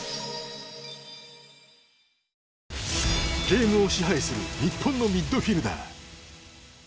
ゲームを支配する日本のミッドフィルダー。